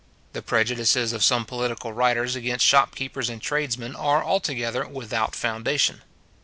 The prejudices of some political writers against shopkeepers and tradesmen are altogether without foundation.